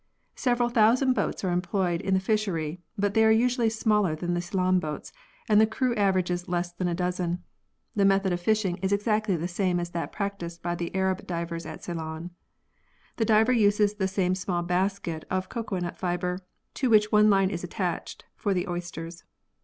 Several thousand boats are employed in the fishery but they are usually smaller than the Ceylon boats and the crew averages less than a dozen. The method of fishing is exactly the same as that practised by the Arab divers at Ceylon. The diver uses the same small basket of cocoanut fibre, to which one line is attached, for the oysters.